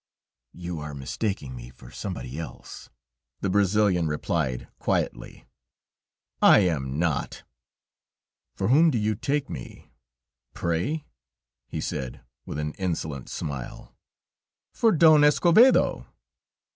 "You are mistaking me for somebody else," the Brazilian replied, quietly. "I am not." "For whom do you take me, pray?" he said with an insolent smile. "For Don Escovedo."